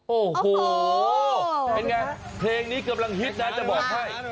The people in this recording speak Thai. โอ้โหเป็นไงเพลงนี้กำลังฮิตนะจะบอกให้